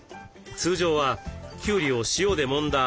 通常はきゅうりを塩でもんだ